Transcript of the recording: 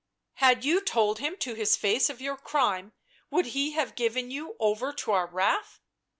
" Had you told him to his face of your crime, would he have given you over to our wrath?"